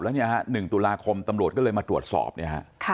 แล้วเนี่ยฮะ๑ตุลาคมตำรวจก็เลยมาตรวจสอบเนี่ยฮะ